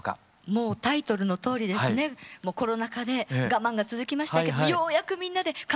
もうタイトルのとおりですねコロナ禍で我慢が続きましたけどようやくみんなで乾杯できるねっていう。